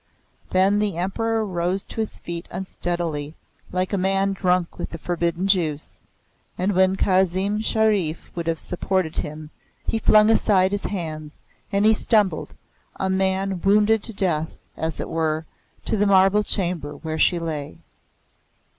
Then the Emperor rose to his feet unsteadily, like a man drunk with the forbidden juice; and when Kazim Sharif would have supported him, he flung aside his hands, and he stumbled, a man wounded to death, as it were, to the marble chamber where she lay.